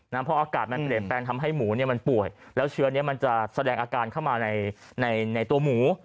เพราะอากาศมันเปลี่ยนแปลงทำให้หมูเนี่ยมันป่วยแล้วเชื้อนี้มันจะแสดงอาการเข้ามาในตัวหมู